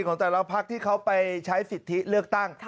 ของแต่ละพักที่เขาไปใช้สิทธิเลือกตั้ง